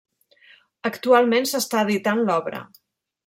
Actualment s'està editant l'obra.